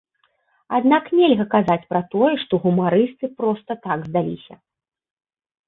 Аднак нельга казаць пра тое, што гумарысты проста так здаліся.